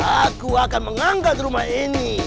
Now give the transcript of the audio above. aku akan mengangkat rumah ini